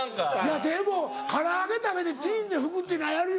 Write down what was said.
でも唐揚げ食べてジーンズで拭くっていうのはやるよな？